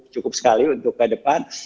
cukup sekali untuk ke depan